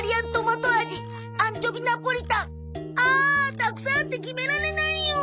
たくさんあって決められないよ！